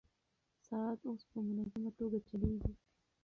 ساعت اوس په منظمه توګه چلېږي.